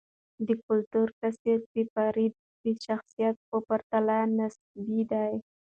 د کلتور تاثیر د فرد د شخصیت په پرتله نسبي دی.